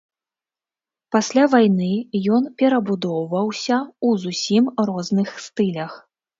Пасля вайны ён перабудоўваўся ў зусім розных стылях.